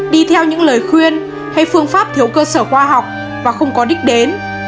đi theo những lời khuyên hay phương pháp thiếu cơ sở khoa học và không có đích đến